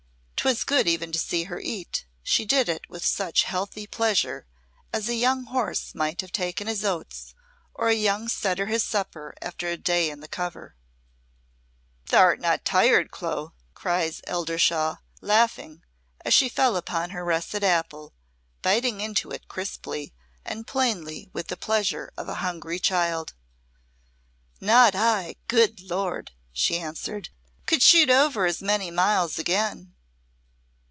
'Twas good even to see her eat, she did it with such healthy pleasure, as a young horse might have taken his oats or a young setter his supper after a day in the cover. "Thou'rt not tired, Clo!" cries Eldershawe, laughing, as she fell upon her russet apple, biting into it crisply, and plainly with the pleasure of a hungry child. "Not I, good Lord!" she answered. "Could shoot over as many miles again."